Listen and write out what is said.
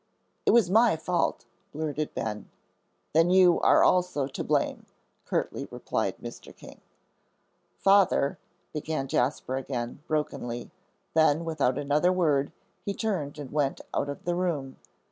"It was my fault," blurted Ben. "Then you are also to blame," curtly replied Mr. King. "Father," began Jasper again, brokenly; then, without another word, he turned and went out of the room.